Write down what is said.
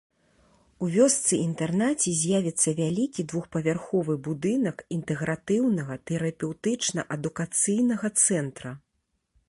У вёсцы-інтэрнаце з'явіцца вялікі двухпавярховы будынак інтэгратыўнага тэрапеўтычна-адукацыйнага цэнтра.